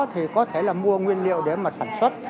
thì có thể là mua nguyên liệu để mà sản xuất